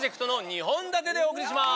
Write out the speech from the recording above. ２本立てでお送りします！